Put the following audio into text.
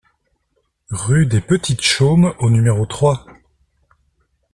Rue des Petites Chaumes au numéro trois